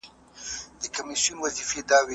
د نويو علومو زده کړه اړينه ده.